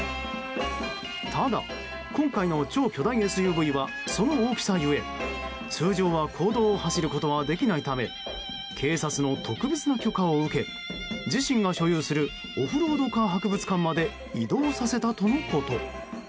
ただ、今回の超巨大ＳＵＶはその大きさゆえ、通常は公道を走ることはできないため警察の特別な許可を受け自身が所有するオフロードカー博物館まで移動させたとのこと。